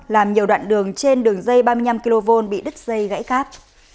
làm nhiều đoạn đường trên đường dây ba mươi năm kv bị đứt dây gãy khắp